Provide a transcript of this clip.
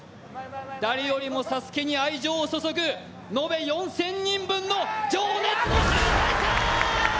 誰よりもＳＡＳＵＫＥに愛情を注ぐ延べ４０００人分の情熱の集大成。